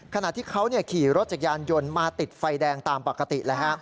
ขณะที่เขาขี่รถจักรยานยนต์มาติดไฟแดงตามปกติเลยฮะ